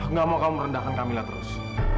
gak mau kamu merendahkan kamilah terus